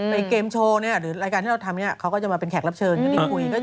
เกมโชว์เนี่ยหรือรายการที่เราทำเนี่ยเขาก็จะมาเป็นแขกรับเชิญก็ได้คุย